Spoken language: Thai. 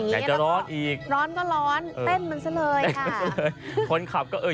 แต่จะร้อนอีกโอ้โหร้อนก็ร้อนแต้นมันซะเลยค่ะแต่มันซะเลย